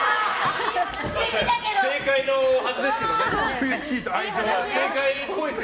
正解のはずですけどね。